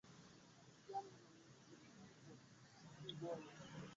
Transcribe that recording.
na kuendelea hadi mwaka elfu mbili na kumi na tatu baada ya kusambaratika kwa mkataba wa amani